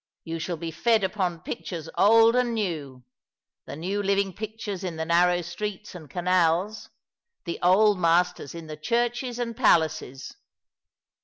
You shall be fed upon pictures old and new — the new living pictures in the narrow streets and canals ; the old masters in the churches and palaces.